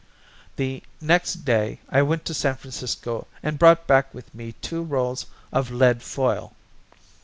The next day I went to San Francisco and brought back with me two rolls of lead foil.